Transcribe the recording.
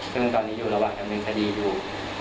ซึ่งตอนนี้อยู่ระหว่างดำเนินคดีอยู่